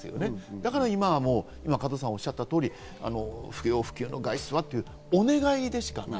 だから今、加藤さんがおっしゃった通り、不要不急の外出はというお願いでしかない。